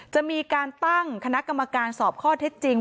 จะมีการตั้งคณะกรรมการสอบข้อเท็จจริง